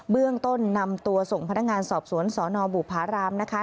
เบื้องต้นนำตัวส่งพนักงานสอบสวนสนบุภารามนะคะ